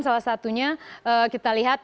salah satunya kita lihat